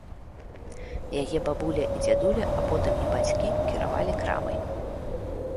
Яе бабуля і дзядуля, а потым і бацькі кіравалі крамай.